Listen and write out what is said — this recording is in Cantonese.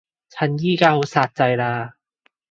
趁而家就好煞掣嘞